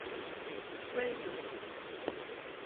Sveikiņi!